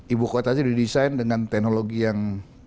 ibu kota aja didesain dengan teknologi yang